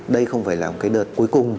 đây không phải là một cái đợt cuối cùng